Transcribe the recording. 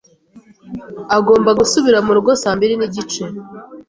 agomba gusubira murugo saa mbiri nigice.